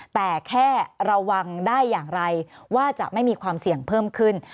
แต่แค่ระวังได้อย่างไรว่าจะไม่มีความเสี่ยงเพิ่มขึ้น